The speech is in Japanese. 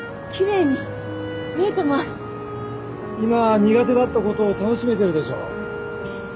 今は苦手だったことを楽しめてるでしょ？